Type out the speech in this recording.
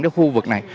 đến khu vực này